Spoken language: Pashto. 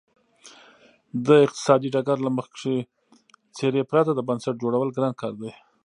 د اقتصادي ډګر له مخکښې څېرې پرته د بنسټ جوړول ګران کار و.